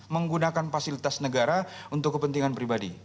menggunakan fasilitas negara untuk kepentingan pribadi